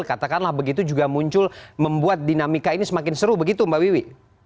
katakanlah begitu juga muncul membuat dinamika ini semakin seru begitu mbak wiwi